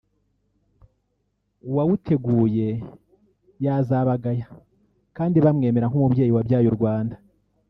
uwawuteguye yazabagaya kandi bamwemera nk’umubyeyi wabyaye u Rwanda